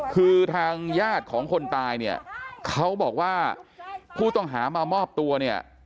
คือทางญาติของคนตายเนี่ยเขาบอกว่าผู้ต้องหามามอบตัวเนี่ย